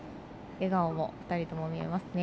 笑顔も２人とも見えますね。